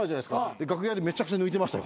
で楽屋でめちゃくちゃ抜いてました。